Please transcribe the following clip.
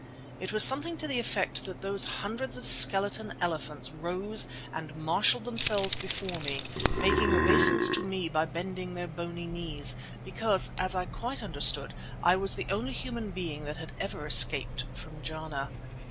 It was something to the effect that all those hundreds of skeleton elephants rose and marshalled themselves before me, making obeisance to me by bending their bony knees, because, as I quite understood, I was the only human being that had ever escaped from Jana.